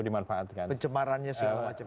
dimanfaatkan pencemarannya segala macam